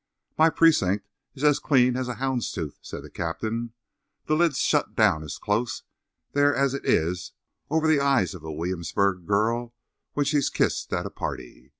"My precinct is as clean as a hound's tooth," said the captain. "The lid's shut down as close there as it is over the eye of a Williamsburg girl when she's kissed at a party.